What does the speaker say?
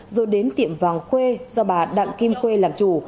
rồi đến tiệm vàng khuê do bà đặng kim khuê làm chủ